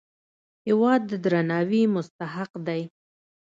هېواد د درناوي مستحق دی.